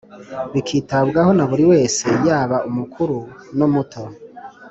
bikitabwaho na buri wese yaba umukuru n’umuto